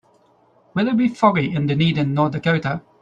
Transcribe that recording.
Will it be foggy in Dunedin North Dakota?